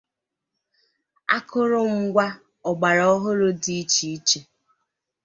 akụrụngwa ọgbara ọhụrụ dị iche iche